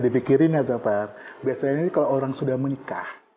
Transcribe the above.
biasanya kalau orang sudah menikah